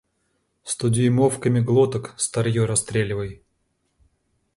Стодюймовками глоток старье расстреливай!